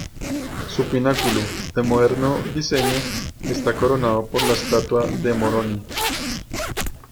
Su pináculo, de moderno diseño, está coronado por la estatua de Moroni.